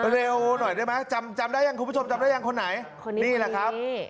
เร็วหน่อยได้ไหมจำจำได้ยังคุณผู้ชมจำได้ยังคนไหนคนนี้นี่แหละครับ